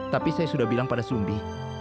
tapi saya sudah bilang pada sumbi